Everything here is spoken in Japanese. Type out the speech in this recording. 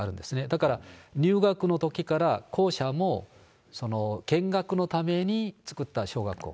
だから入学のときから校舎も、見学のために作った小学校。